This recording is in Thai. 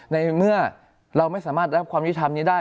ในเมื่อเราไม่สามารถรับความยุทธรรมนี้ได้